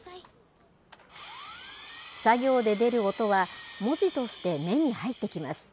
作業で出る音は、文字として目に入ってきます。